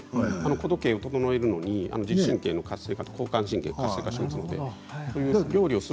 子時計を整えるのに自律神経の活性化副交感神経の活性化です。